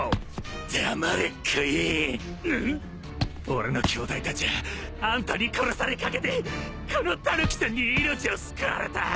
俺の兄弟たちはあんたに殺されかけてこのタヌキさんに命を救われた。